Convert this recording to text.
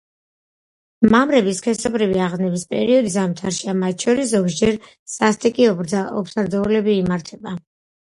მამრების სქესობრივი აღგზნების პერიოდი ზამთარშია, მათ შორის ზოგჯერ სასტიკი ორთაბრძოლები იმართება.